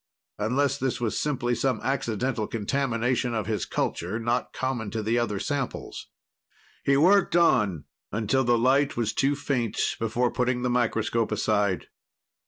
Unless this was simply some accidental contamination of his culture, not common to the other samples. He worked on until the light was too faint before putting the microscope aside.